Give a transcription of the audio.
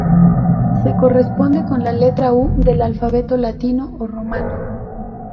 Se corresponde con la letra U del alfabeto latino o romano.